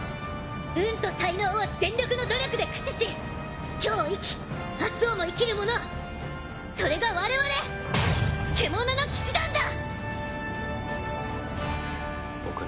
運と才能を全力の努力で駆使し今日を生き明日をも生きる者それが我々獣の騎士団だ！